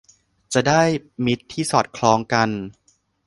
จะได้มิตรที่สอดคล้องกัน